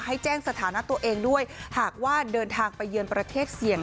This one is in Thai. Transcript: ให้แจ้งสถานะตัวเองด้วยหากว่าเดินทางไปเยือนประเทศเสี่ยง